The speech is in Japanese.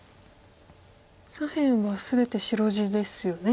左辺は全て白地ですよね。